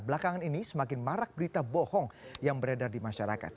belakangan ini semakin marak berita bohong yang beredar di masyarakat